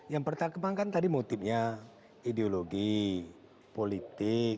yang pertama kan tadi motifnya ideologi politik